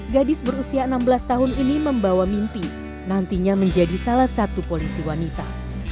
gadis berusia enam belas tahun ini membawa mimpi nantinya menjadi salah satu polisi wanita